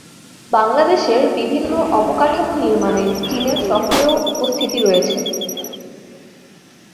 বাংলাদেশের বিভিন্ন অবকাঠামো নির্মাণে চীনের সক্রিয় উপস্থিতি রয়েছে।